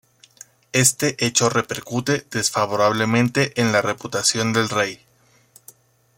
Este hecho repercute desfavorablemente en la reputación del Rey.